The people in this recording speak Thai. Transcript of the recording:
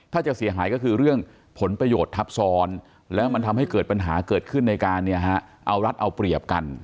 ถ้าจะเสียหายก็คือเรื่องผลประโยชน์ทับซ้อนแล้วมันทำให้เกิดปัญหาเกิดขึ้นในการเอารัฐเอาเปรียบกัน